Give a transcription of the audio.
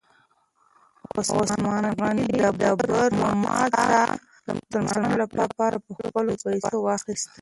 عثمان غني د بئر رومه څاه د مسلمانانو لپاره په خپلو پیسو واخیسته.